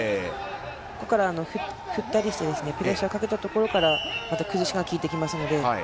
ここから振ったりプレッシャーをかけたところからまた崩しが効いてきますので。